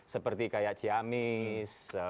seperti kayak ciamis